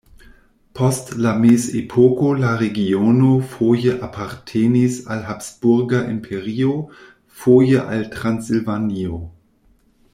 Post la mezepoko la regiono foje apartenis al Habsburga Imperio, foje al Transilvanio.